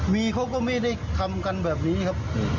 มีเขาก็ไม่ได้ทำกันแบบนี้ครับ